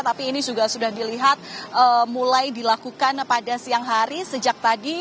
tapi ini juga sudah dilihat mulai dilakukan pada siang hari sejak tadi